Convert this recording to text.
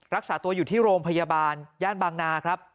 รักษาตัวอยู่ที่โรงพยาบาลย่านบางนาครับ